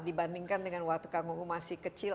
dibandingkan dengan waktu kang uu masih kecil